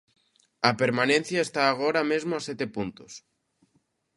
A permanencia está agora mesmo a sete puntos.